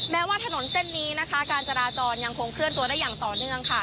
แม้ว่าถนนเส้นนี้นะคะการจราจรยังคงเคลื่อนตัวได้อย่างต่อเนื่องค่ะ